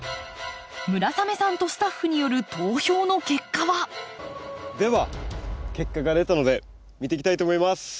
村雨さんとスタッフによる投票の結果は？では結果が出たので見ていきたいと思います。